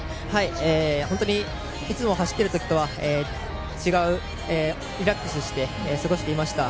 本当にいつもの走っている時とは違うリラックスして過ごしていました。